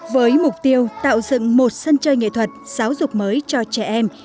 với mục tiêu tạo dựng một sân chơi nghệ thuật giáo dục mới cho trẻ em